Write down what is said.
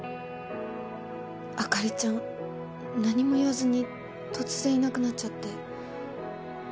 あかりちゃん何も言わずに突然いなくなっちゃって。